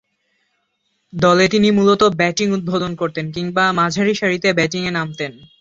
দলে তিনি মূলতঃ ব্যাটিং উদ্বোধন করতেন কিংবা মাঝারিসারিতে ব্যাটিংয়ে নামতেন।